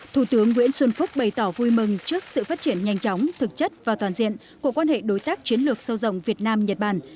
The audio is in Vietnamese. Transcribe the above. thủ tướng nguyễn xuân phúc bày tỏ vui mừng trước sự phát triển nhanh chóng thực chất và toàn diện của quan hệ đối tác chiến lược sâu rộng việt nam nhật bản